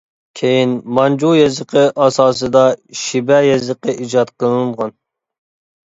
كېيىن مانجۇ يېزىقى ئاساسىدا شىبە يېزىقى ئىجاد قىلىنغان.